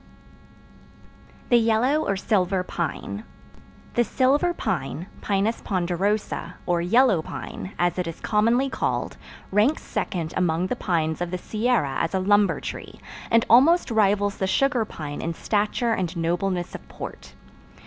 The Yellow Or Silver Pine The Silver Pine (Pinus ponderosa), or Yellow Pine, as it is commonly called, ranks second among the pines of the Sierra as a lumber tree, and almost rivals the sugar pine in stature and nobleness of port.